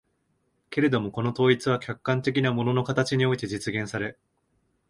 けれどもこの統一は客観的な物の形において実現され、